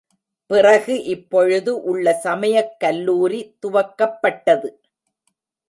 பிறகு இப்பொழுது உள்ள சமயக் கல்லூரி துவக்கப்பட்டது.